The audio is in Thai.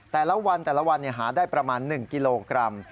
แต่ละวันหาได้ประมาณ๑กิโลกรัม